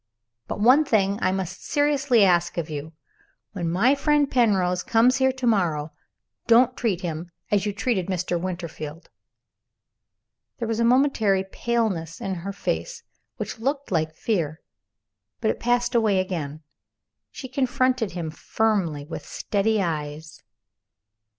"But one thing I must seriously ask of you. When my friend Penrose comes here to morrow, don't treat him as you treated Mr. Winterfield." There was a momentary paleness in her face which looked like fear, but it passed away again. She confronted him firmly with steady eyes.